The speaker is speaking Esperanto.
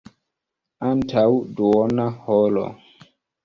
Antaŭ duona horo.